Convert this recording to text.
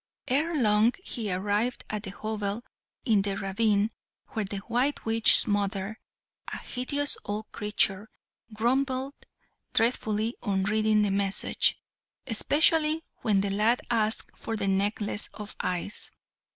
Ere long he arrived at the hovel in the ravine where the white witch's mother, a hideous old creature, grumbled dreadfully on reading the message, especially when the lad asked for the necklace of eyes.